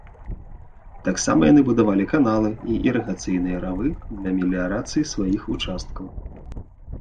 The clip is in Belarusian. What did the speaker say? Таксама яны будавалі каналы і ірыгацыйныя равы для меліярацыі сваіх участкаў.